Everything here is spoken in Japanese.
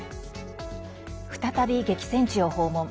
再び激戦地を訪問。